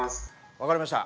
分かりました。